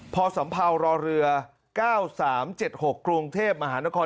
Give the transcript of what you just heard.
พอสัมเภารอเรือ๙๓๗๖กรุงเทพมหานคร